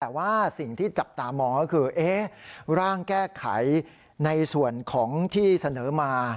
แต่ว่าสิ่งที่จับตามองก็คือร่างแก้ไขในส่วนของที่เสนอมา